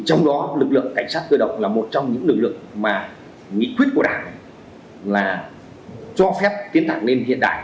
trong đó lực lượng cảnh sát cơ động là một trong những lực lượng mà nghị quyết của đảng là cho phép tiến thẳng lên hiện đại